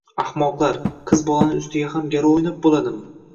Ahmoqlar, qiz bolaning ustida ham garov o`ynab bo`ladimi